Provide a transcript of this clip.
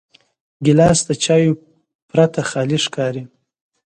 ګیلاس د چایو پرته خالي ښکاري.